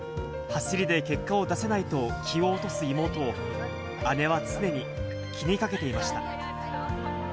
走りで結果を出せないと気を落とす妹を、姉は常に気にかけていました。